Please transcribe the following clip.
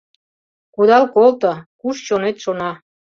Кудал колто — куш чонет шона.